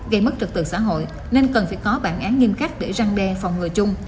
gây mất trực tự xã hội nên cần phải có bản án nghiêm khắc để răng đe phòng ngừa chung